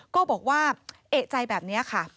ก็บอกว่าเอกใจแบบนี้ค่ะ